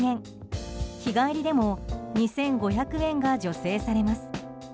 日帰りでも２５００円が助成されます。